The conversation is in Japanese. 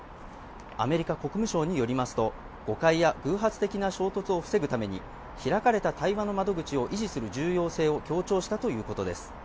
アメリカ国務省によりますと、誤解や偶発的な衝突を防ぐために開かれた対話の窓口を維持する重要性を強調したということです。